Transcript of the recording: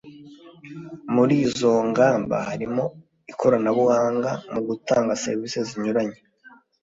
Muri izo ngamba harimo ikoranabuhanga mu gutanga serivisi zinyuranye